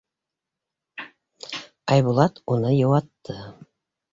Айбулат уны йыуатты: